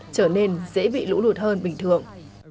trở nên dễ bị lũ lụt hơn bình thường